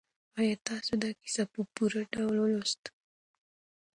آیا تاسو دا کیسه په پوره ډول ولوستله؟